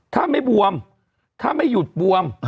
ถ้าไม่บวมถ้าไม่หยุดบวม